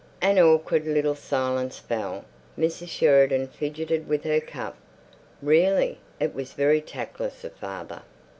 An awkward little silence fell. Mrs. Sheridan fidgeted with her cup. Really, it was very tactless of father....